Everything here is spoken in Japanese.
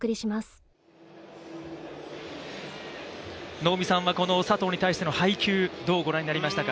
能見さんはこの佐藤に対しての配球、どうご覧になりましたか。